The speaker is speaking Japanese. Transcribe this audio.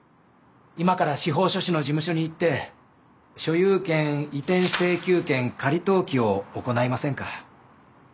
今から司法書士の事務所に行って所有権移転請求権仮登記を行いませんか？